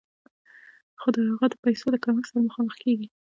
خو هغه د پیسو له کمښت سره مخامخ کېږي